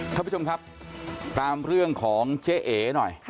ท่านผู้ชมครับตามเรื่องของเจ๊เอหน่อย